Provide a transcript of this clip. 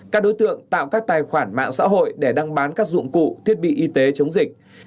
các đối tượng tạo các tài khoản mạng xã hội để đăng bán các dụng cụ thiết bị y tế chống dịch